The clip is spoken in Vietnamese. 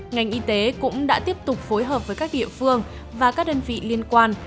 ngành y tế cũng đã tiếp tục phối hợp với các địa phương và các đơn vị liên quan